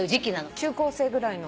中高生ぐらいの。